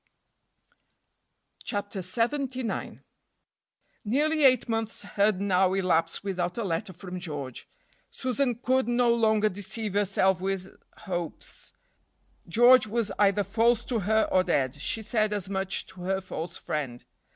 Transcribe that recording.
CHAPTER LXXIX. NEARLY eight months had now elapsed without a letter from George. Susan could no longer deceive herself with hopes. George was either false to her or dead. She said as much to her false friend.